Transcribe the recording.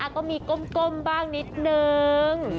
ก็มีก้มบ้างนิดนึง